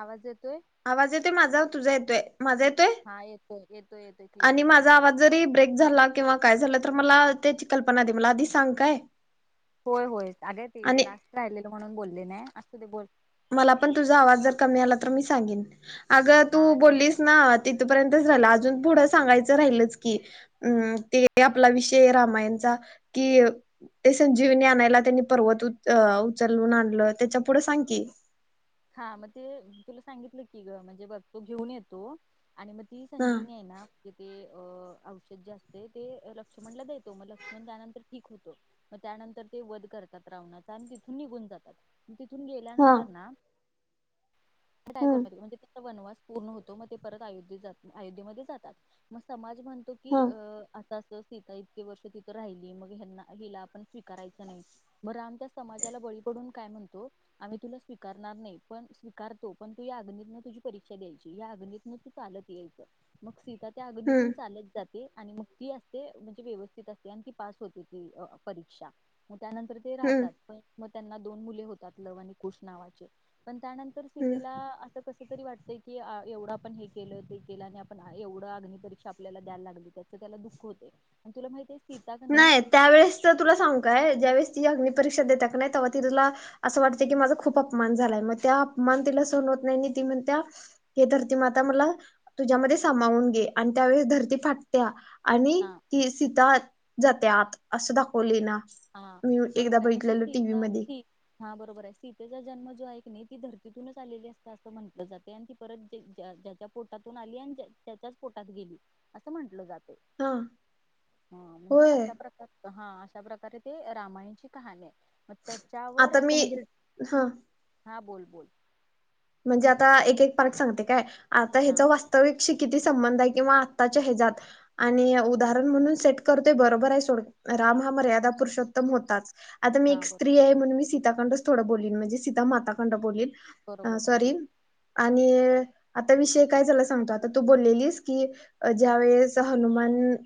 आवाज येतोय आवाज येतय माझा? तुझा येत. तोय. माझा येतोय हा येतोय येतोय येतोय क्लिअर आणि येतोय माझा बोल. आवाज जरी ब्रेक झाला किंवा काय झालं तर मला त्याची कल्पना दे मला आधी सांग काय? होय होय अग्या ते आणि लास्ट राहिलेल. म्हणून बोलले नाही असुदे बोल. मला पण तुझा आवाज जर कमी आला तर मी सांगेन. अगं हा तू ठीक आहे. बोललीस ना तिथपर्यंत. राहिल अजून पुढं सांगायचं राहिलच की अं ते आपला विषय रामायणचा कि ते संजीवनी आणायला त्यांनी पर्वत उचलून आणलं त्याच्या पुढं सांग की. हा मग ते तुला सांगितलं की ग म्हणजे बघ तो घेऊन येतो. आणि मग ती ह संजीवनी आहे ना कि ते औषध जे असतं ते लक्ष्मणला देतो मग लक्ष्मण त्यानंतर ठीक होतो मग त्यानंतर ते वध करतात रावणाचा आणि तिथून निघून जातात. तिथून ह गेल्यानंतर ना काय ह करून म्हणजे वनवास पूर्ण होतो मग ते परत अयोध्येत जात अयोध्येमध्ये जातात मग समाज म्हणतो ह की अ हम्म आस इतके वर्ष तिथं राहिली मग हेन्ना हिला आपण स्वीकारायच नाही मग राम त्या समाजाला बळी पडून काय म्हणतो आम्ही तुला स्वी करणार नाही पण स्वीकारतो पण तू या अग्नी तुझी परीक्षा द्यायची या अग्नी तू चालत यायचं मग सीता त्या अग्नीतून हम्म चालत जात. ते मग ती असते म्हणजे व्यवस्थित असते आणि ती पास होते ती परीक्षा त्यानंतर ते राहतात. त्यांना दोन मुले होतात लव आणि कुश नावाची च पण त्यानंतर हम्म सीतेला असं कसं तरी वाटतंय की एवढं आपण हे केलं ते केलं आणि आपण एवढं अग्निपरीक्षा आपल्याला द्यायला लागली त्याचं त्याला दुःख होते आणि तुला माहितीये स नाय त्यावेळेस तो तुला सांग काय ज्यावेळेस. अग्निपरीक्षा देते का नाय तेव्हा तिला असं वाटतं की माझा खूप अपमान झालाय मग तो अपमान तिला सहन होत नाही आणि ती म्हणत्या हे धरती माता मला तुझ्यामध्ये सामावून घे आणि त्यावेळेस धरती फाटत्या आ. आणि हा ती सीता जात्यात असं दाखवली ना हा मी एकदा बरोबर आहे म्हणजे बघितलेलं टीव्ही सीता मध्ये ही हा बरोबर सीतेचा जन्म जो आहे ती धर्तीतूनच आलेली असता असं म्हंटलं जाते आणि ती परत ज्याच्या पोटातून आली आणि त्याच्याच पोटात गेली असं म्हटलं जात. हा हा म्हणजे होय असा प्रकार हा अश्या प्रकारे. ते रामायणची कहाणी आहे. त्याच्यावर आता असं मी म्हणजे हा हा बोल. बोल. म्हणजे आता एक एक. पार्ट सांगते काय. आता हा ह्याचा वास्तविक शिक. किती संबंध आहे किंवा आताच्या हजात आणि उदाहरण म्हणून सेट करतो बरोबर आहे सोड राम हा मर्यादा पुरुषोत्तम होताच. आता मी हा एक स्त्री बरोबर आहे म्हणून मी सीताकांदाच थोडं बोलीन म्हणजे सीता माता कंड बोलीन बरोबर हा सॉरी आणि आता विषय काय झाला सांगतो, आता तू बोललेलीस की, ज्या वेळेस हनुमान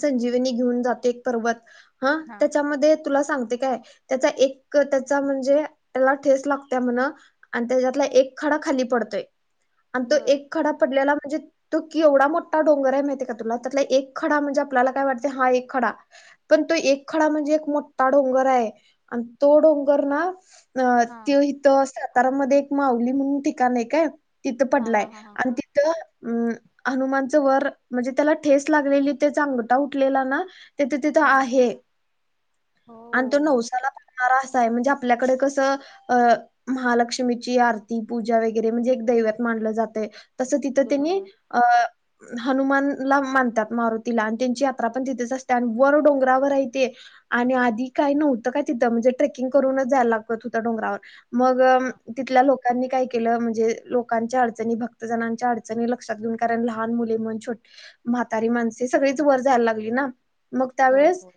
संजीवनी घेऊन जातोय एक पर्वत. हा त्याच्यामध्ये तुला सांगते काय त्याचा एक त्याला म्हणजे त्याला ठेस लागते म्हण आणि त्याज्यातला एक खडा खाली पडतोय. आणि तो बर एक खडा पडलेला. म्हणजे तो केवढा मोठा डोंगर आहे माहितीय का तुला? त्यातला एक खडा म्हणजे आपल्याला काय वाटते, हा एक खडा पण तो एक खडा म्हणजे एक मोठा डोंगर आहे. आणि तो डोंगर ना अं हा त्यो इथ असतात तारामध्ये एक माऊली म्हणून ठिकाण आहे काय. तिथं हा पडलाय. हा हा हा आणि तिथं अं हनुमानचं वर म्हणजे त्याला ठेस लागलेली ते आगंठा उठलेला ना. तिथं तिथं हा आहे आणि तो हो नवसाला पाहणारा. म्हणजे आपल्याकडे कसं म महालक्ष्म्या लक्ष्मीची आरती पूजा वगैरे म्हणजे एक दैवत मानलं जातंय. तसं तिथं त्यांनी बरोबर अं. हनुमानला मानतात, मारुतीला. आणि त्यांची यात्रा पण तिथेच असते. आणि वर डोंगरावर येते आणि आधी काही नव्हतं काय तिथं म्हणजे ट्रेकिंग करूनच जायला लागत होतं डोंगरावर. मगं हा लोकांनी काय केलं म्हणजे लोकांच्या अडचणी भक्तजणांच्या अडचणी लक्षात घेऊन कारण लहान मुले म्हणजे छोटी म्हातारी माणसे सगळीच वर जायला लागली ना. मग होय त्यावेळेस. होय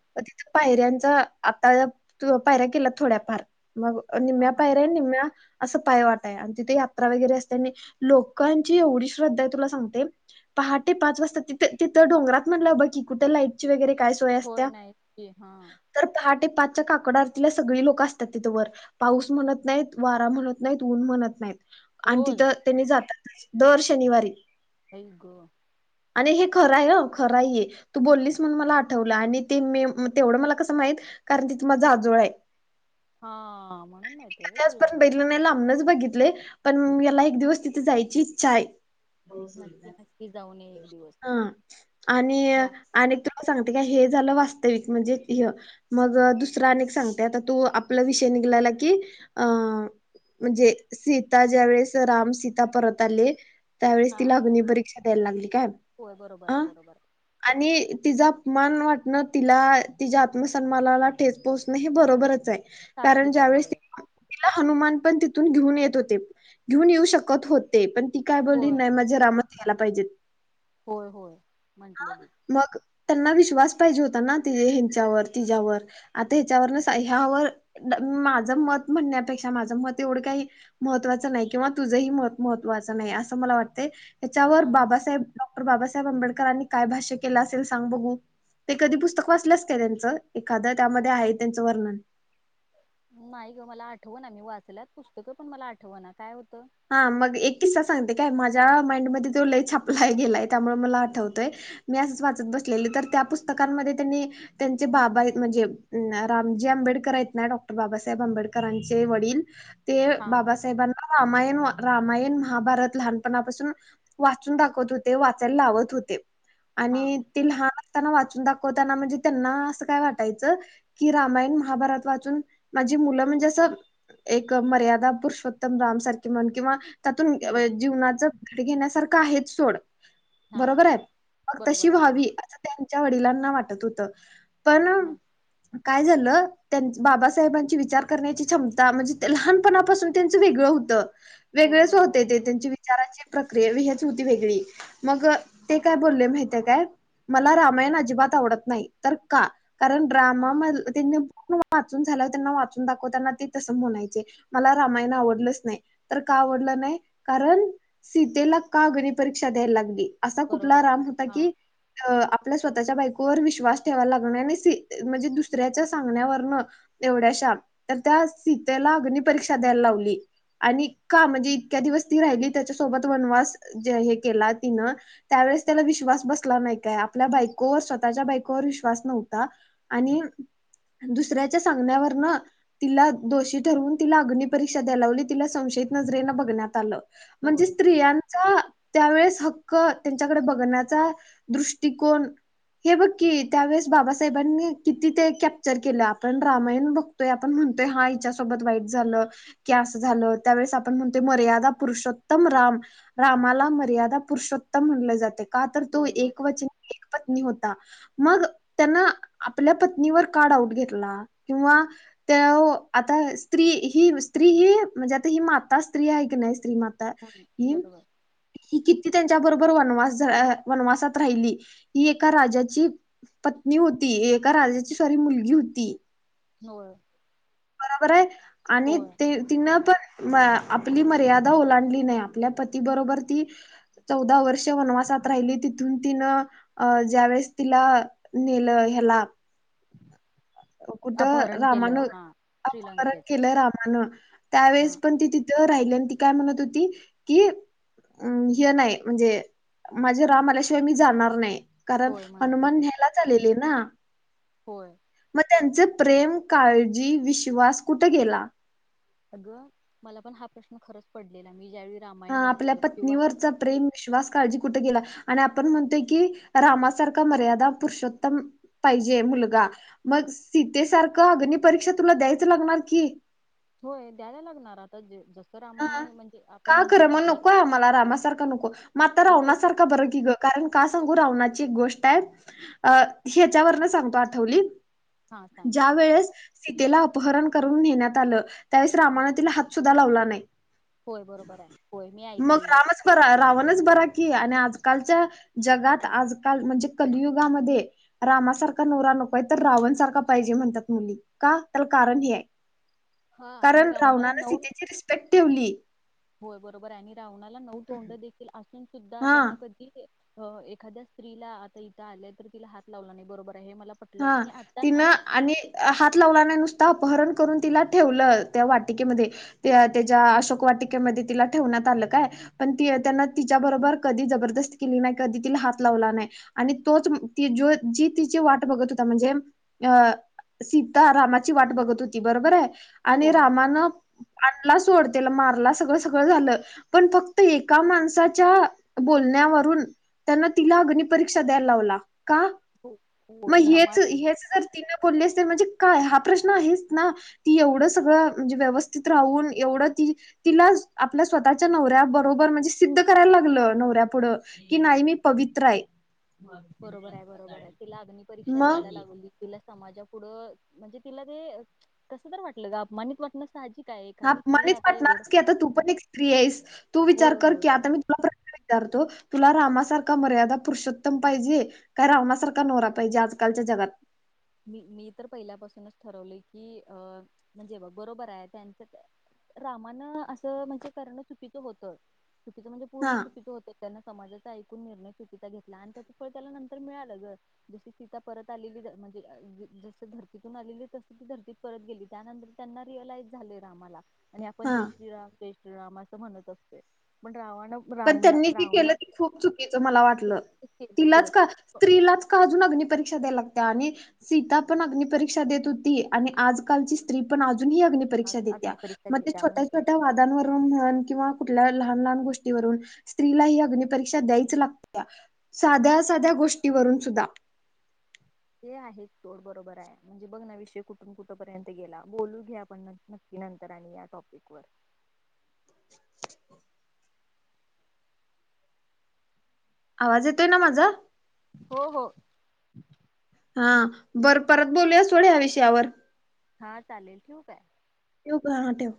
पायऱ्यांचा आता अं पायऱ्या केल्यात थोड्याफार. मग हा निम्या हा पायरे निम्या. असं पाय वाट हाय आणि तिथे यात्रा वगैरे असते. आणि लोकांची एवढी श्रद्धा आहे, तुला सांगते पहाटे पाच वाजता तिथे तिथं डोंगरात म्हटलं बघ की कुठे लाईटची वगैरे काय सोय असते होय नाही की हा तर ते पाचच्या काकड आरतीला सगळी लोक असतात तिथं वर पाऊस म्हणत नाही वारा म्हणत नाही नाहीत ऊन म्हणत नाहीत. आणि रोज तिथं त्यांनी जाता दर शनिवारी आई गं. आणि हे खरं आहे हं खरं आहे हे, तू बोललीस म्हणून मला आठवलं. आणि ते मी तेवढं मला कसं माहित कारण तिथ माझ आजोळ आहे. हां म्हणून मी माहती व्हय कधी तुला? आजपर्यंत [unintelligible] बघितलंय, पण मला एक दिवस तिथे जायची इच्छा आहे. नक्की नक्की जाऊन ये एक दिवस हा. आणि, दा आणि सांगते का हे झालं वास्तविक म्हणजे हे मग दुसरा आनिक सांगते आता तू आपला विषय निघलाला की अं म्हणजे सीता ज्या वेळेस राम सीता परत आले त्यावेळेस हा तीला अग्नी परि क्षा द्याय लागली. काय होय बरोबर आहे हा बरोबर आहे. आणि तिचा अपमान वाटणं तिला तिच्या आत्म सन्मानाला ठेच पोहोचणं हे बरोबरच हाय. सहाजिक हाय, होय. तिला हनुमान ण तिथून घेऊन येत होते. घेऊन येऊ शकत होते पण ती काय बोलली होय नाही माझे राम यायला पाहिजेत. होय, होय म्हंटलेली. मग त्यांना विश्वास पाहिजे होता ना ते हेंच्यावर तिच्यावर आता हच्यावर ह्यावर माझं मत म्हणण्यापेक्षा माझ मत तेवढं काही महत्त्वाचं नाही किंवा तुझंही महत्त्वाचं नाही असं मला वाटतंय. त्याच्यावर हा बाबासाहेब डॉक्टर बाबासाहेब आंबेडकरांनी काय भाष्य केलं असेल सांग बघू? ते कधी पुस्तक वाचल्यास का त्यांचं एखाद? त्यामध्ये आहे त्यांचं वर्णन. नाही ग मला आठव ना, मी वाचलात पुस्तकं पण मला आठव ना. काय हो हा मग एक किस्सा सांगते काय माझ्या माइंडमध्ये तो लय छापला गेलाय त्यामुळे मला आठवतोय. मी असंच वाचत बसलेले तर त्या पुस्तकांमध्ये त्यांनी त्यांचे बाबा म्हणजे रामजी आंबेडकर आहेत ना डॉक्टर बाबासाहेब आंबेडकरांचे वडील ते हा बाबासाहेबांना हा मा रामायण, महाभारत लहानपणापासून वाचून दाखवत होते, वाचायला लावत होते. हा आणि ते लहान ना वाचून दाखवताना म्हणजे त्यांना असं काय वाटायचं, की रामायण महाभारत वाचून माझी मुलं म्हणजे असं एक मर्यादा पुरुषोत्तम राम सारखं किमान किंवा त्यातून हम्म जीवनाच घेण्यासारखं का आहेत सोड हा बरोबर आहेत? मग तशी बरोबर आहे हा व्हावी असं त्यांच्या वडिलांना वाट तू तर [unintelligible] पण. हा काय झालं, त्यान बाबासाहेबांची विचार करण्याची क्षमता म्हणजे लहानपणापासून त्यांचं वेगळं होतं. होय वेगळेच बरोबर होते आहे ते त्यांचे विचाराचे प्रक्रिया हेच होती वेगळी मग ते काय बोलले माहित आहे काय, मला रामायण अजिबात आवडत नाही तर का? कारण ड्रामा हा म त्यांनी वाचून झाल्यावर त्यांना वाचून दाखवताना ते तसं म्हणायचे मला रामायण आवडलंच नाही. तर का आवडलं नाही? कारण सीतेला का अग्नी परीक्षा द्यायला लागली? असा कुठला बरोबर राम आहे होता हा की अ आपल्या स्वतःच्या बायकोवर विश्वास ठेवायला [unintelligible] म्हणजे दुसऱ्याच्या सांगण्यावरनं एवढ्याशा तर त्या सीतेला अग्निपरीक्षा द्यायला लावली आणि का? म्हणजे इतक्या दिवस ती राहिली, त्याच्यासोबत वनवास ज हे केला तिनं त्यावेेळेस त्याला विश्वास बसला नाही काय? आपल्या बायकोवर स्वतःच्या बायकोवर विश्वास नव्हता आणि दुसऱ्याच्या सांगण्यावरनं तिला दोषी ठरवून तिला अग्निपरीक्षा द्याय लावली तिला संशयित नजरेनं बघण्यात आलं. म्हणजे होय स्त्रियांचा त्यावेेळेस हक्क त्यांच्याकडे बघण्याचा दृष्टिकोन हे बघ की, त्यावेेळेस बाबासाहेबांनी किती ते कॅप्चर केलं, आपण रामायण बघतोय आपण म्हणतोय हां हिच्यासोबत वाईट झालं की, अस झालं त्यावेेळेस आ पण म्हणतोय मर्यादा पुरुषोत्तम राम, रामाला मर्यादा पुरुषोत्तम म्हणलं जातंय. का? तर तो होय म्हण एक वचन, एक पत्नी हो ता मग त्यानं आपल्या पत्नीवर का डाऊट घेतला? किंवा त्यो आता स्त्री ही स्त्री ही म्हणजे आता ती मा ता स्त्री हाय की नाही? स्त्री माता ही बरोबर ही किती त्यां च्याबरोबर वनवास झ अ वनवासात राहिली ही एका राजाची पत्नी होती. एका राजाची सॉरी मुलगी होती. होय. बरोबर आहे, आणि होय ते तिनं पण. आपली मर्यादा ओलांडली नाही. आपल्या पती बरोबर ती चौदा वर्षे वनवासात राहिली. तिथून तिनं अ ज्यावेेळेस तिला नेल ह्याला. कुठं अपहरण केलं रामानं हा अपहरण श्रीलंकेत केलं, रावणानं हा त्यावेेळेस पण ती तिथं राहिलं. ती काय म्हणत होती, की हे नाही म्हणजे माझे राम आल्याशिवाय मी जाणार नाही. कारण होय म्हणत हनुमान होते न्हायलाच आलेले ना. होय त्यांचे प्रेम, काळजी, विश्वास कुठे गेला? अगं, मला पण हा प्रश्न खरंच पडलेला आहे? हा आपल्या पत्नीवरचा प्रेम, विश्वास, काळजी कुठे गेला? आणि आपण म्हणतोय की रामासारख मर्यादा पुरुषोत्तम पाहिजे मुलगा, मग सीतेसारख अग्नि परीक्षा तुला द्यायच लागणार की. होय द्यायला लागणार आता हा रामाने म्हणजे आपण का म्हणतोय खर? ना मग आपल्याला नकोय आम्हाला रामासारखा नको. मग तर रावणासारखं बरं कि ग कारण का? सांगू रावणाची एक गोष्ट आहे. ह्याच्यावर सांगतो आठवली. हा ज्या सांगते वेळेस सीतेला अप अपहरण करून नेण्यात आलं. त्यावेळेस रामान तिला हात सुद्धा. द्धा लावला नाही. होय, बरोबर आहे. होय, मी ऐकलय हे. तोच बरा की आणि अजून कालच्या जगात आजकाल म्हणजे कलियुगामध्ये रामासारखा नवरा नकोय. तर रावण सारखा पाहिजे म्हणतात मुली का? त्याला कारण हे आहे. हा आणि कारण रावणाला रावणानी नऊ सीतेची रिस ठेवली. होय बरोबर आहे आणि रावणाला नऊ तोंड देखील असून सुद्धा हा त्यांन कधी अ एखाद्या स्त्रीला आता इथं आल्या तर, तिला हात लावला नाही बरोबर. आहे हे मला पटलं हा आणि आता ना तिनं आणि हात लावला नाही नुस अपहरण करून तिला ठेवलं त्या वाटिकेमध्ये त्या तेच्या अशोक वाटिकेमध्ये तिला ठेवण्यात आलं काय पण त त्यांना तिच्याबरोबर कधी जबरदस्ती केली नाही, कधी तिला हात लावला नाही, आणि तोच जी ति जिची वाट बघत होता म्हणजे अ सीता रामाची वाट बघत होती बरोबर आय आणि होय रामान आणला सोड तेला मारला सगळं सगळं झालं पण फक्त एका माणसाच्या बोलण्यावरून त्यांन तिला अग्निपरीक्षा द्यायला लावला का? हो होय मग हेच समाज हेच जर तिन बोलली असतील म्हणजे काय हा प्रश्न आहेच ना ती एवढं सगळं म्हणजे व्यवस्थित राहून एवढं ती तिला आपल्या स्वतःच्या नवऱ्या बरोबर म्हणजे सिद्ध करायला लागलं नवऱ्या पुुढं की नाही मी पवित्र आहे. बरोबर आहे बरोबर आहे तिला अग्नी परीक्षा मग द्यायला लागूलीत तिला समाजा पुढ म्हणजे तिला ते कस तर वाटल ग अपमानित वाटन साहजिकच हा अपमानित वाटणारच की आता तू पण एक स्त्री आहेस, तू विचार होय कर होय की आता मी तुला प्रश्न विचारतो तुला रामासारखा मर्यादा पुरुषोत्तम पाहिजे काय रावणासारखा नवरा पाहिजे आजकालच्या जगात मी मी तर पहिल्यापासूनच ठरवलय की अ म्हणजे बघ बरोबर आहे त्यांचं रामानं असं म्हणजे करण चुकीचं होत, म्हजे पूर्ण हा चुकीचे होते त्यांना समाजाचा ऐकून निर्णय चुकीचा घेतला आणि त्याच फळ त्याला नंतर मिळालं ग जर जशी सीता परत आलेली जर जस धर्तीतून आलेली तस ती धर्तीत परत गेली त्यानंतर त्यांना रिअलाइज झालय रामाला आणि आपण हा जय श्रीराम जय म असं म्हणत असतोय पण रावण पण राम त्यांनी जी केलं रावणात त खूप चुकीच मला वाटलं ते केलं होय. तिलाच का स्त्रीलाच का अजून अग्नी परीक्षा द्याय लागत्या आणि सीता पण अग्नि परीक्षा देत होती आणि आजकालची स्त्री पण म्हणून ही अग्नीपरिक्षा देत्या अग्नी परीक्षा म ते देत्या छोट्या म्हणजे छोट्या वादांवरुन म्हण किंवा कुठल्या लहान लहान गोष्टी स्त्रीला ही अग्निपरीक्षा द्यायच लागत्या साध्या साध्या गोष्टीवरून सुद्धा ते आहे सोड बरोबर आहे म्हणजे, बघ ना विषय कुठून कुठ पर्यंत गेला बोलू घ्या आपण नक्की नंतर आणि या टॉपिक वर हो. आवाज येतय ना माझा हो हो. हा बरं परत बोलुया सोड ह्या विषयावर हा चालेल ठेवू काय? ठेवू काय हा हा ठेव.